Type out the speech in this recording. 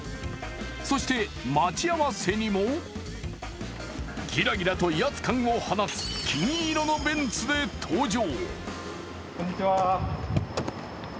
そして待ち合わせにも、ギラギラと威圧感を放つ金色のベンツで登場。